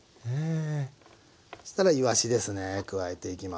そしたらいわしですね加えていきます。